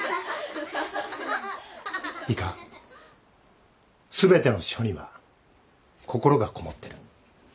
いいか全ての書には心がこもってる。